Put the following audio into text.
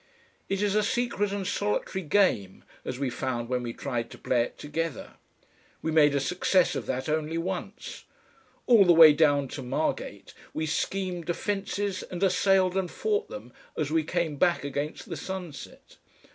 It is a secret and solitary game, as we found when we tried to play it together. We made a success of that only once. All the way down to Margate we schemed defences and assailed and fought them as we came back against the sunset.